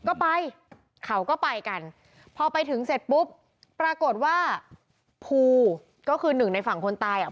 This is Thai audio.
ก็ไปเขาก็ไปกันพอไปถึงเสร็จปุ๊บปรากฏว่าภูก็คือหนึ่งในฝั่งคนตายอ่ะ